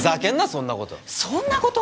そんなことそんなこと？